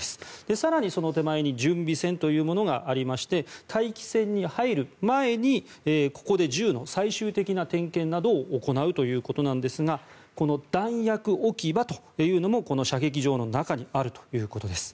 更にその手前に準備線というものがありまして待機線に入る前にここで、銃の最終的な点検などを行うということですがこの弾薬置き場というのも射撃場の中にあるということです。